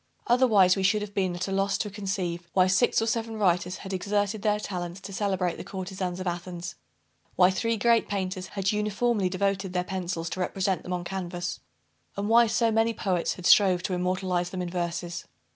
Otherwise we should have been at a loss to conceive, why six or seven writers had exerted their talents to celebrate the courtezans of Athens why three great painters had uniformly devoted their pencils to represent them on canvass and why so many poets had strove to immortalize them in verses.